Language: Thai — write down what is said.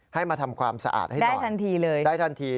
ให้มาทำความสะอาดให้ต่อทันทีเลยได้ทันที